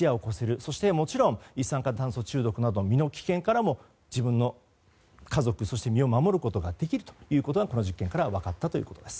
そしてもちろん一酸化炭素中毒などの身の危険からも自分の家族、そして身を守ることができるとこの実験から分かったということです。